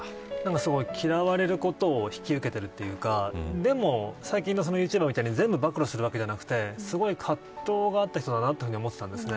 すごい嫌われてるところを引き受けてるというかでも、最近のユーチューバーみたいに全部暴露するわけじゃなくてすごい葛藤があった人だなと思ってたんですね。